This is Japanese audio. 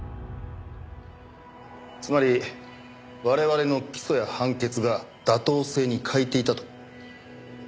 つまり我々の起訴や判決が妥当性に欠いていたと？